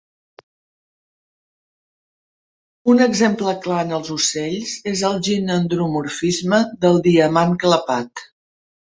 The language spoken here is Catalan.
Un exemple clar en els ocells és el ginandromorfisme del diamant clapat.